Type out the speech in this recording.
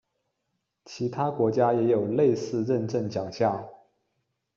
其他国家也有类似认证奖项。